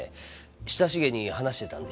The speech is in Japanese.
親しげに話してたんで。